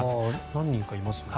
何人かいますね。